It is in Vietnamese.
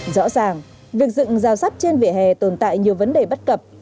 rõ ràng việc dựng giao sát trên vẻ hè tồn tại nhiều vấn đề bất cập